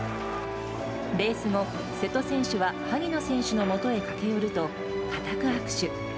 レース後、瀬戸選手は萩野選手のもとへ駆け寄ると固く握手。